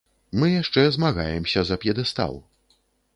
Мы яшчэ змагаемся за п'едэстал.